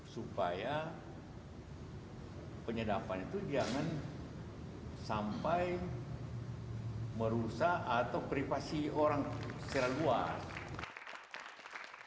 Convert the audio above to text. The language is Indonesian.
supaya penyedapan itu jangan sampai merusak atau privasi orang secara luas